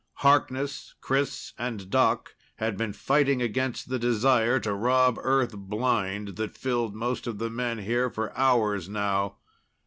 Harkness, Chris and Doc had been fighting against the desire to rob Earth blind that filled most of the men here for hours now.